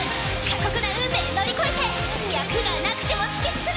過酷な運命乗り越えて脈がなくても突き進む。